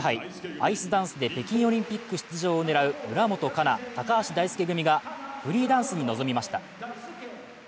アイスダンスで北京オリンピック出場を狙う村元哉中・高橋大輔組がフリーダンスに臨みました。